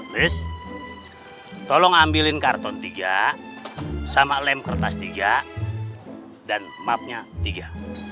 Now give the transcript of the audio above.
terus tolong ambilin karton tiga sama lem kertas tiga dan mapnya tiga